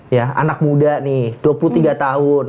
ya anak muda nih dua puluh tiga tahun